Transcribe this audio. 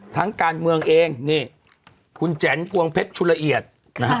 การเมืองเองนี่คุณแจ๋นพวงเพชรชุลละเอียดนะฮะ